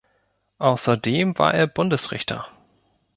Außerdem war er Bundesrichter.